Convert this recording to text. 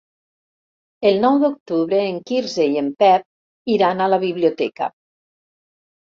El nou d'octubre en Quirze i en Pep iran a la biblioteca.